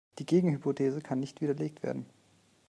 Die Gegenhypothese kann nicht widerlegt werden.